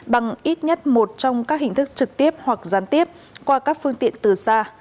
bằng ít nhất một trong các hình thức trực tiếp hoặc gián tiếp qua các phương tiện từ xa